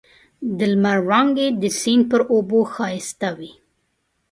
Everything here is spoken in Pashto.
د لمر وړانګې د سیند پر اوبو ښایسته وې.